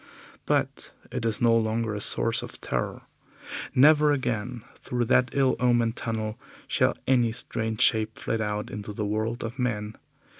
But it is no longer a source of terror. Never again through that ill omened tunnel shall any strange shape flit out into the world of men.